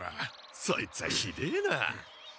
そいつはひでえな。